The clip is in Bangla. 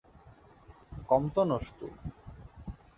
কম তো নোস তুই!